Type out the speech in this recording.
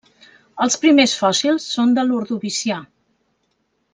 Els primers fòssils són de l'Ordovicià.